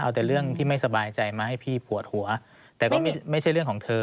เอาแต่เรื่องที่ไม่สบายใจมาให้พี่ปวดหัวแต่ก็ไม่ใช่เรื่องของเธอ